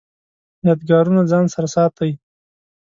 یادګارونه ځان سره ساتئ؟